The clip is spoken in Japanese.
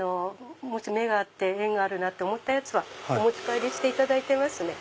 目が合って縁あるなって思ったやつはお持ち帰りしていただいてますね。